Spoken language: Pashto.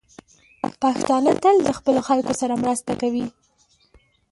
پښتانه تل له خپلو خلکو سره مرسته کوي.